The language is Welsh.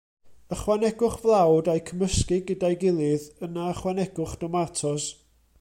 Ychwanegwch flawd a'u cymysgu gyda'i gilydd, yna ychwanegwch domatos.